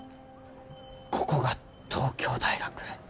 ここが東京大学。